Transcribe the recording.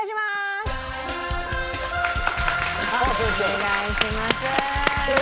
お願いします。